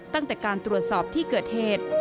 ตั้งแต่การตรวจสอบที่เกิดเหตุ